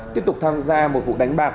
tiếp tục tham gia một vụ đánh bạc